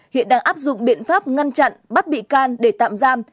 hiện đang áp dụng biện pháp ngăn chặn bắt bị can để tạm giam